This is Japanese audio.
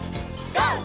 ＧＯ！